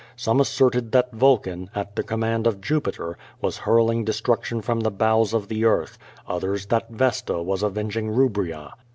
Some asserted that Vulcan, at the com mand of Jupiter, was hurling destruction from the bowels of the earth, others, that Vesta was avenging Rubria.